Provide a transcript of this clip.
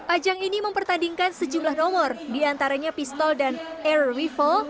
ajang ini mempertandingkan sejumlah nomor diantaranya pistol dan air rival